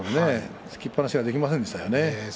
突きっぱなしができませんでしたね。